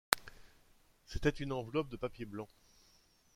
C’était une enveloppe de papier blanc.